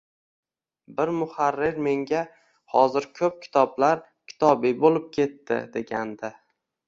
Bir muharrir menga: “Hozir ko‘p kitoblar kitobiy bo‘lib ketdi”, degandi.